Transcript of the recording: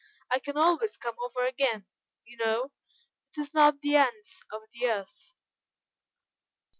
I can always come over again, you know; it is not the ends of the earth."